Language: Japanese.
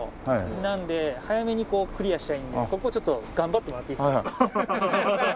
なので早めにクリアしたいのでここちょっと頑張ってもらっていいですか？